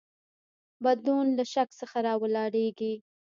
بدلون له شک څخه راولاړیږي.